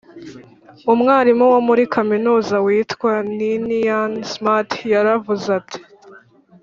umwarimu wo muri kaminuza witwa ninian smart yaravuze ati